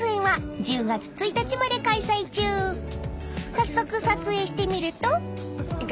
［早速撮影してみると］